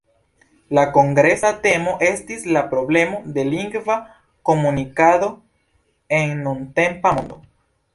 La kongresa temo estis "La problemo de lingva komunikado en nuntempa mondo".